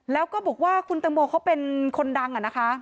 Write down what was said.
แล้วก็บอกว่าคุณตำรวจเขาเป็นคนดัง